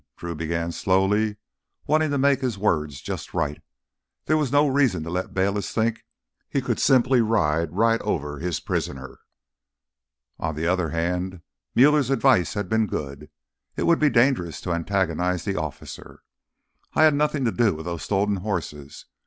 Drew began slowly, wanting to make his words just right. There was no reason to let Bayliss think he could simply ride right over his prisoner. On the other hand Muller's advice had been good; it would be dangerous to antagonize the officer. "I had nothing to do with those stolen horses.